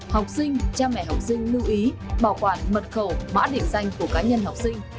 học sinh cha mẹ học sinh lưu ý bảo quản mật khẩu mã định danh của cá nhân học sinh